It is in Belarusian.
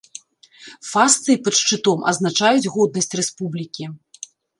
Фасцыі пад шчытом азначаюць годнасць рэспублікі.